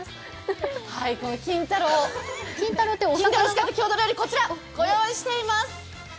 金太郎を使った郷土料理、こちらにご用意しています。